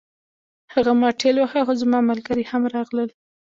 هغه ما ټېل واهه خو زما ملګري هم راغلل